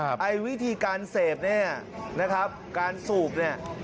ไอ้วิธีการเสพเนี่ยนะครับการสูบเนี่ย